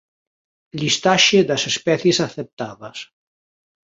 Listaxe das especies aceptadas